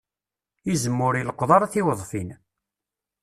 Izem ur ileqqeḍ ara tiweḍfin.